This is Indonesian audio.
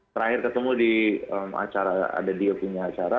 terakhir ketemu di acara ada dia punya acara